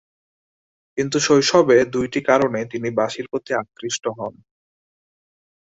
কিন্তু শৈশবে দুইটি কারণে তিনি বাঁশির প্রতি আকৃষ্ট হন।